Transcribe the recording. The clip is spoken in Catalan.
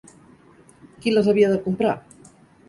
Qui les havia de comprar?